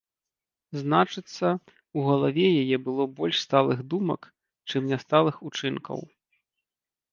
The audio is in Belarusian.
Значыцца, у галаве яе было больш сталых думак, чым нясталых учынкаў.